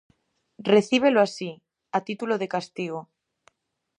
Recíbelo así: a título de castigo.